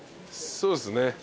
そうっすね。